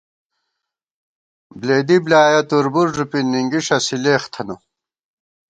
بلېدی بۡلیایَہ تُربُر ݫُوپی نِنگِݭہ سِلېخ تھنہ